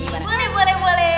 boleh boleh boleh